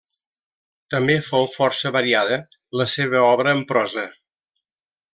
També fou força variada la seva obra en prosa.